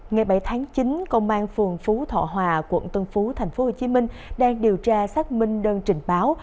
ngày bảy tháng chín công an phường phú thọ hòa quận tân phú tp hcm đang điều tra xác minh đơn trình báo